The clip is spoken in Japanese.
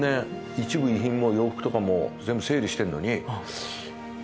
一部遺品も洋服とか全部整理してんのに。